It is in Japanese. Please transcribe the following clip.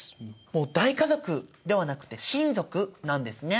もう大家族ではなくて「親族」なんですね。